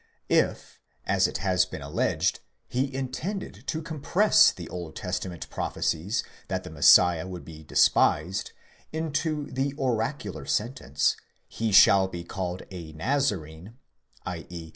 If, as it has been alleged, he intended to com press the Old Testament prophecies that the Messiah would be despised, into the oracular sentence, He shall be called a Nazarene, ze.